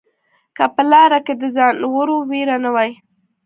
که په لاره کې د ځناورو وېره نه وای